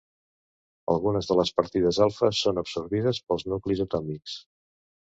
Algunes de les partícules alfa són absorbides pels nuclis atòmics.